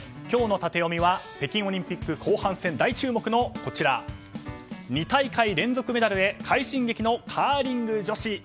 今日のタテヨミは北京オリンピック後半戦大注目の２大会連続メダルへ快進撃のカーリング女子。